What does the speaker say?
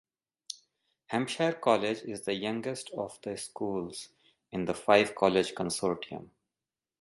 Hampshire College is the youngest of the schools in the Five-College Consortium.